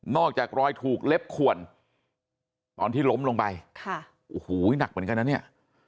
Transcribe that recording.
อกจากรอยถูกเล็บขวนตอนที่ล้มลงไปค่ะโอ้โหหนักเหมือนกันนะเนี่ย